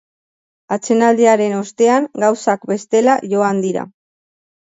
Atsedenaldiaren ostean, gauzak bestela joan dira.